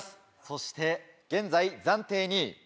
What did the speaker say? そして現在暫定２位。